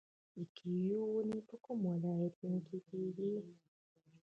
د کیوي ونې په کومو ولایتونو کې کیږي؟